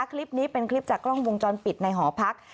คลิปนี้เป็นคลิปจากกล้องวงจรปิดในหอพัก